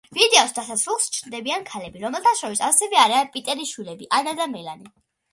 ვიდეოს დასასრულს ჩნდებიან ქალები, რომელთა შორის ასევე არიან პიტერის შვილები, ანა და მელანი.